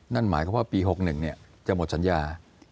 นั่นหมายความว่าปี๖๑จะหมดสัญญา